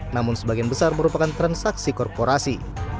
namun sebagian besar merupakan transaksi korporasi